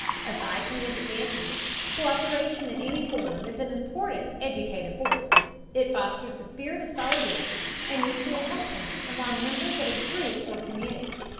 Aside from these advantages, co÷peration in any form is an important educative force. It fosters the spirit of solidarity and mutual helpfulness among members of a group or community.